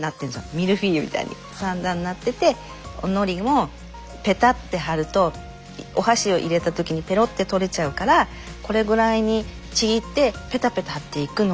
ミルフィーユみたいに３段になってておのりをペタッて貼るとお箸を入れた時にぺろって取れちゃうからこれぐらいにちぎってペタペタ貼っていくのり弁なんですよ。へ。